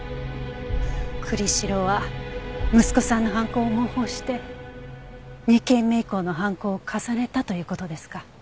栗城は息子さんの犯行を模倣して２件目以降の犯行を重ねたという事ですか？